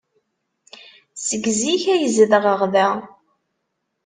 Seg zik ay zedɣeɣ da.